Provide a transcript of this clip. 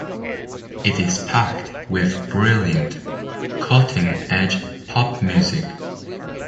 It is packed with brilliant, cutting-edge pop music.